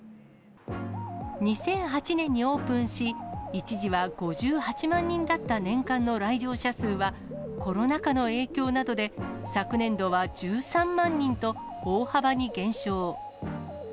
２００８年にオープンし、一時は５８万人だった年間の来場者数は、コロナ禍の影響などで、昨年度は１３万人と、大幅に減少。